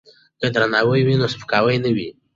که درناوی وي نو سپکاوی نه وي.